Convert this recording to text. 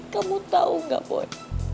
kamu tau gak boy